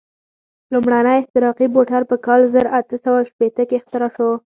لومړنی احتراقي موټر په کال زر اته سوه شپېته کې اختراع شو.